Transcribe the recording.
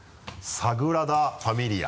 「サグラダファミリア」！